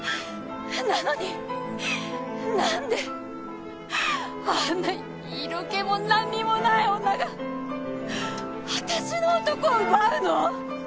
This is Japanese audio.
なのになんであんな色気もなんにもない女が私の男を奪うの！？